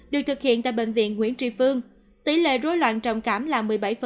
được thực hiện tại bệnh viện nguyễn tri phương tỷ lệ rối loạn trầm cảm là một mươi bảy